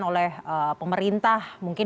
oleh pemerintah mungkin